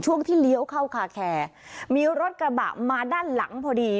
ช่วงที่เลี้ยวเข้าคาแคร์มีรถกระบะมาด้านหลังพอดี